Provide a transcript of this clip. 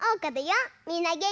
みんなげんき？